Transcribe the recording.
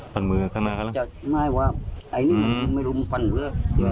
ฟันมือข้างหน้าข้างล่างไม่ว่าอันนี้มันไม่รู้มันฟันเผื้อ